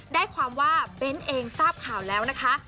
ได้ความว่าเบ้นเองทราบข่าวแล้วนะคะ